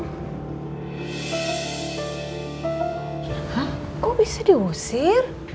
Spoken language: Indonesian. hah kok bisa diusir